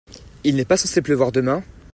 Il n'est pas censé pleuvoir demain ?